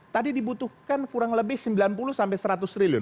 tadi dibutuhkan kurang lebih sembilan puluh sampai seratus triliun